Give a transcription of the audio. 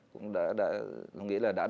cũng đã nghĩ là đạt được